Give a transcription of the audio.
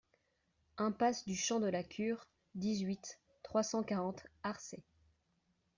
Impasse du Champ de la Cure, dix-huit, trois cent quarante Arçay